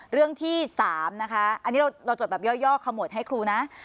เรื่องที่๓นะคะอันนี้เราจดแบบย่อขมวดให้ครูนะ